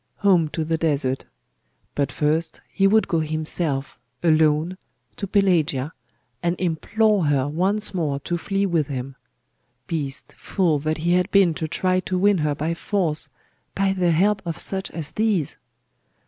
Home to the desert! But first he would go himself, alone, to Pelagia, and implore her once more to flee with him. Beast, fool, that he had been to try to win her by force by the help of such as these!